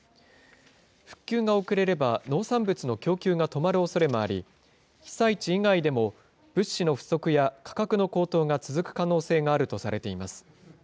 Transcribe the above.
復旧が遅れれば農産物の供給が止まるおそれもあり、被災地以外でも、物資の不足や価格の高騰が続く可能性があるとされています。